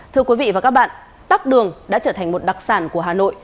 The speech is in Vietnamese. thưa quý vị và các bạn tắc đường đã trở thành một đặc sản của hà nội